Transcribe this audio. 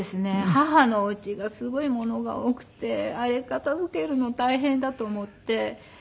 母のお家がすごいものが多くてあれ片付けるの大変だと思って。